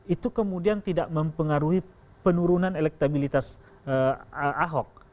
itu kemudian tidak mempengaruhi penurunan elektabilitas ahok